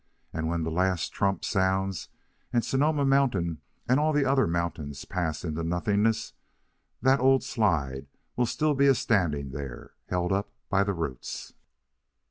And when the last trump sounds, and Sonoma Mountain and all the other mountains pass into nothingness, that old slide will be still a standing there, held up by the roots."